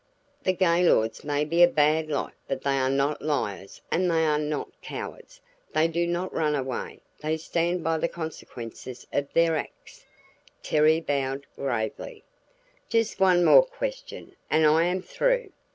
"The Gaylords may be a bad lot but they are not liars and they are not cowards. They do not run away; they stand by the consequences of their acts." Terry bowed gravely. "Just one more question, and I am through.